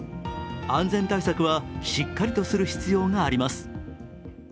安全対策はしっかりとする必要があります。